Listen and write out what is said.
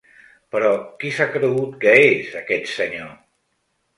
Però qui s’ha cregut que és, aquest senyor?